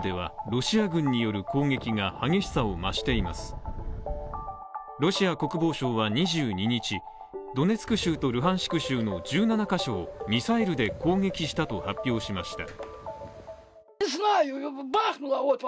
ロシア国防省は２２日、ドネツク州とルハンシク州の１７カ所をミサイルで攻撃したと発表しました。